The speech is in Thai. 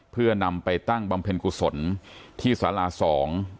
เพื่อนำไปตั้งบำเพ็ญกุศลที่สาราสอง